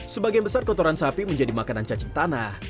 sebagian besar kotoran sapi menjadi makanan cacing tanah